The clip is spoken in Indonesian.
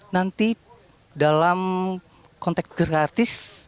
nanti dalam konteks gratis